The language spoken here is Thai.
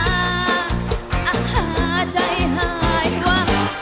อ่ะฮะใจหายวะ